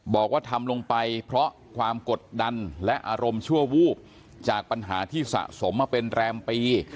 บอกว่าทำลงไปเพราะความกดดันและอารมณ์ชั่ววูบจากปัญหาที่สะสมมาเป็นแรมปี